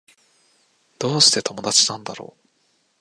どうして友達なんだろう